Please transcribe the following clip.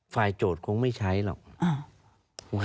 โจทย์คงไม่ใช้หรอก